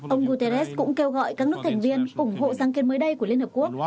ông guterres cũng kêu gọi các nước thành viên ủng hộ giang kết mới đây của liên hợp quốc